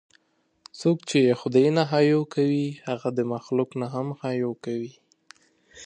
څوک چې له خدای نه حیا کوي، هغه د مخلوق نه هم حیا کوي.